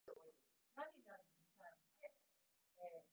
この世の中には疑問がたくさんある